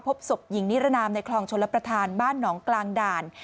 พบศพหญิงนิรนามในคลองชลประธานบ้านหนองกลางด่าน